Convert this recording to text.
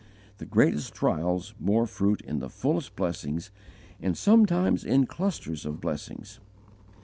The greatest trials bore fruit in the fullest blessings and sometimes in clusters of blessings.